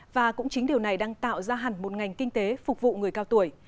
và cũng chính điều này đang tạo ra hẳn một ngành kinh tế phục vụ người cao tuổi